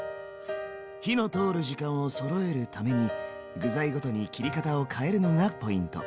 火の通る時間をそろえるために具材ごとに切り方を変えるのがポイント。